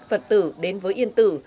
vật tử đến với yên tử